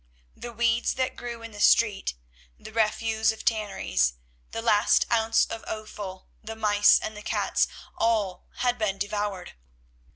The weeds that grew in the street, the refuse of tanneries, the last ounce of offal, the mice and the cats, all had been devoured.